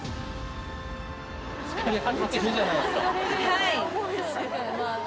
はい。